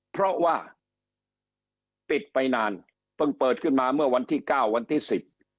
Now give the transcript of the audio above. เพราะว่าปิดไปนานเพิ่งเปิดขึ้นมาเมื่อวันที่เก้าวันที่สิบ